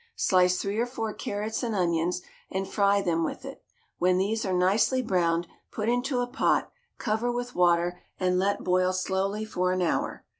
Slice three or four carrots and onions and fry them with it. When these are nicely browned, put into a pot, cover with water, and let boil slowly for an hour.